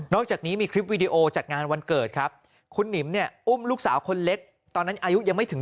จากนี้มีคลิปวีดีโอจัดงานวันเกิดครับคุณหนิมเนี่ยอุ้มลูกสาวคนเล็กตอนนั้นอายุยังไม่ถึง